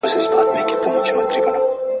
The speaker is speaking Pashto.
زما د بخت تصویر دی د بهزاد په قلم کښلی `